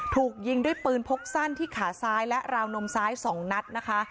ถูกยิงด้วยปืนพกสั้นที่ขาซ้ายและราวนมซ้าย๒นัดนะคะ